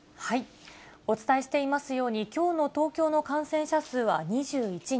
お伝えしていますように、きょうの東京の感染者数は２１人。